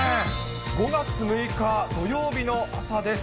５月６日土曜日の朝です。